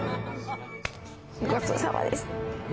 ごちそうさまです。